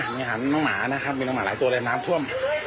อ่ะมีหาหมานะครับมีน้องหมาหลายตัวเลยน้ำท่วม